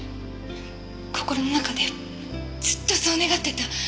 心の中でずっとそう願ってた。